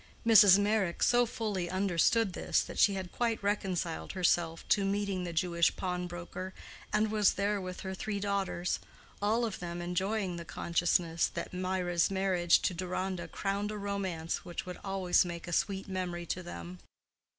Mrs. Meyrick so fully understood this that she had quite reconciled herself to meeting the Jewish pawnbroker, and was there with her three daughters—all of them enjoying the consciousness that Mirah's marriage to Deronda crowned a romance which would always make a sweet memory to them.